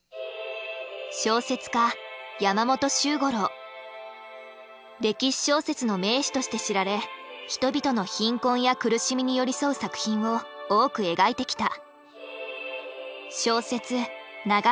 小説家歴史小説の名手として知られ人々の貧困や苦しみに寄り添う作品を多く描いてきた。